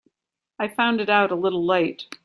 I found it out a little late.